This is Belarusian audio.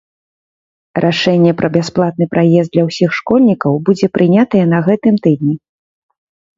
Рашэнне пра бясплатны праезд для ўсіх школьнікаў будзе прынятае на гэтым тыдні.